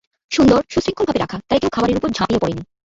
সুন্দর, সুশৃঙ্খল ভাবে রাখা, তারা কেউ খাবারের উপর ঝাঁপিয়ে পড়েনি।